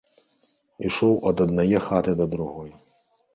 Ішоў ад аднае хаты да другой.